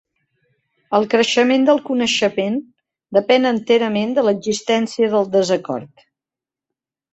El creixement del coneixement depèn enterament de l'existència del desacord.